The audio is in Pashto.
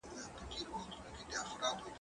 زه هره ورځ انځور ګورم!